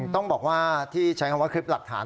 ต้องบอกว่าที่ใช้คำว่าคลิปหลักฐาน